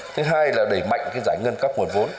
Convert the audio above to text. thứ hai là đẩy mạnh cái giải ngân các nguồn vốn